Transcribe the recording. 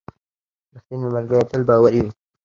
• رښتینی ملګری تل باوري وي.